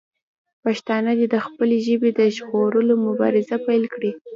پښتانه دې د خپلې ژبې د ژغورلو مبارزه پیل کړي.